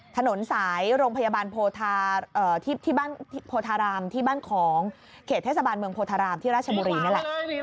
ถนนสายโรงพยาบาลโพธารามที่บ้านของเขตเทศบาลเมืองโพธารามที่ราชบุรีนั่นแหละ